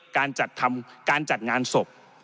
การจัดงานศพ